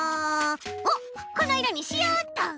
おっこのいろにしよっと。